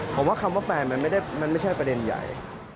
ผมว่าคำว่าแฟนมันไม่ใช่ประเด็นใหญ่